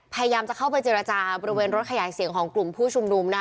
พยายามจะเข้าไปเจรจาบริเวณรถขยายเสียงของกลุ่มผู้ชุมนุมนะคะ